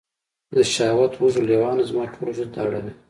د شهوت وږو لیوانو، زما ټول وجود داړلي